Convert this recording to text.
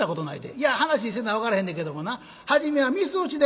「いや話せな分からへんねんけどもな初めは御簾内で語る」。